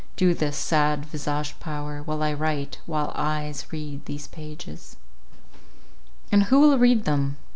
Do this, sad visaged power, while I write, while eyes read these pages. And who will read them?